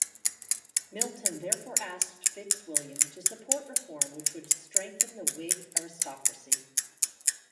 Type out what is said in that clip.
Milton therefore asked Fitzwilliam to support reform which would strengthen the Whig aristocracy.